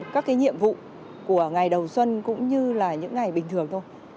các cái nhiệm vụ của ngày đầu xuân cũng như là những ngày bình thường thôi